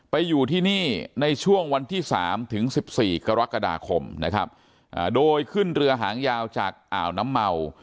ไปอยู่ที่นี่ในช่วงวันที่๓ถึง๑๔กรกฎาคมนะครับโดยขึ้นเรือหางยาวจากอ่าวน้ำเมา